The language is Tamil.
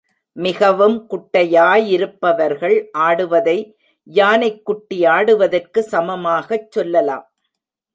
மிகவும் குட்டையாயிருப்பவர்கள் ஆடுவதை யானைக் குட்டி ஆடுவதற்குச் சமானமாகச் சொல்லலாம்.